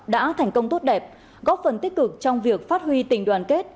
đã thành công tốt đẹp góp phần tích cực trong việc phát huy tình đoàn kết